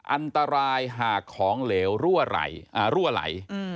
อันตรายหากของเหลวรั่วไหล